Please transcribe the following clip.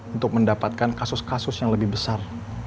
untuk mendapatkan kasus kasus yang lebih besar